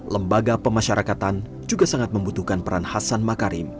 lembaga pemasyarakatan juga sangat membutuhkan peran hasan makarim